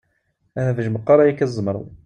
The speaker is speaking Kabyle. Hbej meqqar ayakka tzemret.